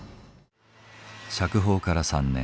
釈放から３年。